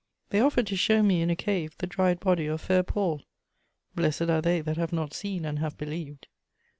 They offered to show me, in a cave, the dried body of Fair Paule: blessed are they that have not seen and have believed!